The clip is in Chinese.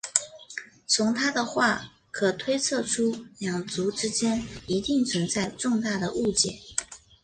从她的话可推测出两族之间一定存在重大的误解。